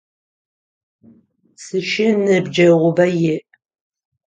Сшы ныбджэгъубэ иӏ.